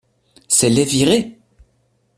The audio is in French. C’est les virer!